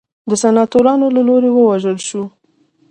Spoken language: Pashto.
د سناتورانو له لوري ووژل شو.